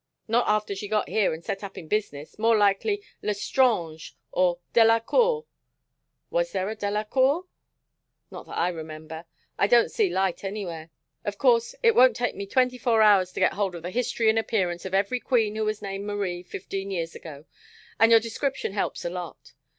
Not after she got here and set up in business. More likely Lestrange or Delacourt " "Was there a Delacourt?" "Not that I remember. I don't see light anywhere. Of course it won't take me twenty four hours to get hold of the history and appearance of every queen who was named Marie fifteen years ago, and your description helps a lot.